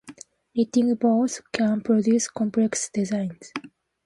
Knitting boards can produce complex designs.